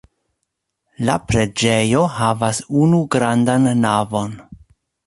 La preĝejo havas unu grandan navon.